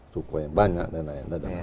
sukhoi banyak dan lain lain